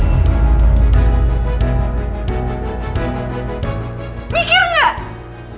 kalau sampai aku pulang aku akan berpikir apa yang akan terjadi sama nino